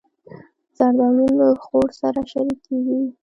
زردالو له خور سره شریکېږي.